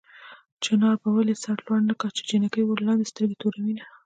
چنار به ولې سر لوړ نه کا چې جنکۍ ورلاندې سترګې توروينه